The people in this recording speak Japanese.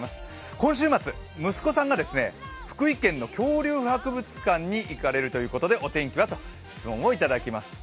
今週末、息子さんが福井県の恐竜博物館に行かれるということでお天気はと質問をいただきました。